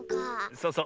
そうそう。